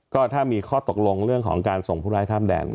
ก็ถ้ามีข้อตกลงเรื่องของการส่งผู้ร้ายข้ามแดน